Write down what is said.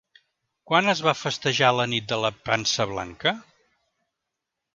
Quan es va festejar la Nit de la Pansa blanca?